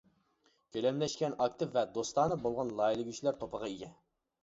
كۆلەملەشكەن، ئاكتىپ ۋە دوستانە بولغان لايىھەلىگۈچىلەر توپىغا ئىگە.